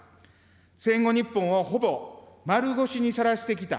戦後日本をほぼ丸腰にさらしてきた、